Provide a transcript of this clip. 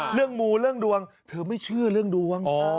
มูเรื่องดวงเธอไม่เชื่อเรื่องดวง